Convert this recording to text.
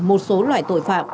một số loại tội phạm